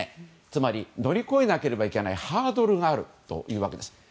つまり乗り越えなければいけないハードルがあるというわけです。